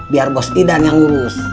biar bos idan yang urusin ini